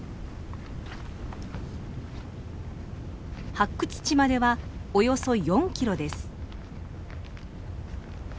発掘地まではおよそ４キロです。